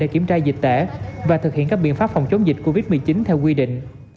kiểm tra dịch tễ và thực hiện các biện pháp phòng chống dịch covid một mươi chín theo quy định